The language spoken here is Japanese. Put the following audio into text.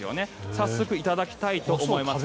早速いただきたいと思います。